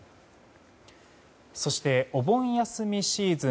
そして、お盆休みシーズン